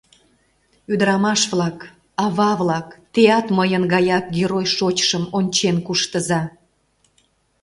Ӱдырамаш-влак, ава-влак, теат мыйын гаяк герой шочшым ончен куштыза!